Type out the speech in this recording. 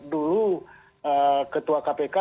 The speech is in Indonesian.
dulu ketua kpk